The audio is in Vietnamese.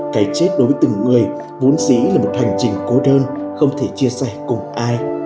cái chết đối với từng người vốn dĩ là một hành trình cố đơn không thể chia sẻ cùng ai